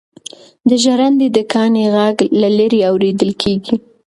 د ژرندې د کاڼي غږ له لیرې اورېدل کېږي.